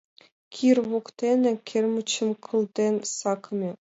Кир воктене кермычым кылден сакыме.